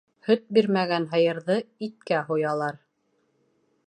Һөт бирмәгән һыйырҙы иткә һуялар.